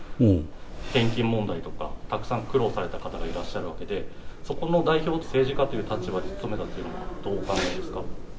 献金問題とか、たくさん苦労された方がいらっしゃるわけで、そこの代表を、政治家という立場で務めたというのは、どうお考えですか。